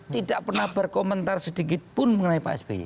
tidak pernah berkomentar sedikit pun mengenai pak sby